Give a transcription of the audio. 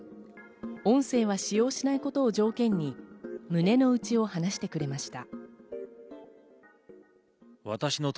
音声は使用しないことを条件に胸の内を話してくれました。